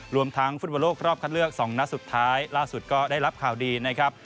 รวมทั้งฟุตบอลโลกรอบคัดเลือก๒นัดสุดท้ายล่าสุดก็ได้รับข่าวดีนะครับ